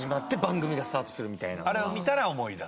あれを見たら思い出す？